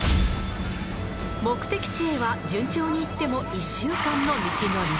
目的地へは順調に行っても１週間の道のり。